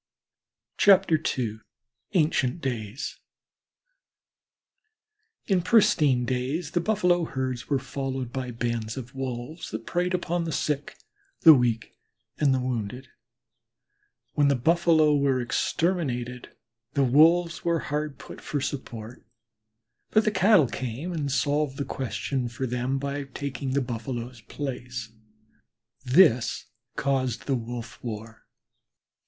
II ANCIENT DAYS In pristine days the Buffalo herds were followed by bands of Wolves that preyed on the sick, the weak, and the wounded. When the Buffalo were exterminated the Wolves were hard put for support, but the Cattle came and solved the question for them by taking the Buffaloes' place. This caused the wolf war.